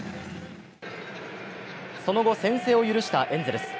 その後、先制を許したエンゼルス。